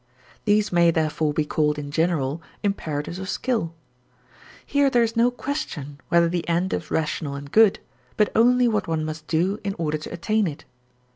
These may, therefore, be called in general imperatives of skill. Here there is no question whether the end is rational and good, but only what one must do in order to attain it.